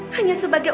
hanya sebagai anaknya